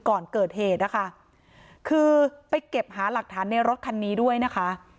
ก่อนเกิดเหตุนะคะคือไปเก็บหาหลักฐานในรถคันนี้ด้วยนะคะ